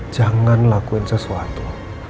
jangan lakuin sesuatu